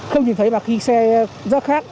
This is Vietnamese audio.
không nhìn thấy mà khi xe dốc khác